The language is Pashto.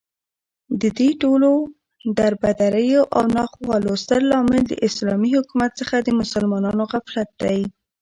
ددې ټولو دربدريو او ناخوالو ستر لامل داسلامې حكومت څخه دمسلمانانو غفلت دى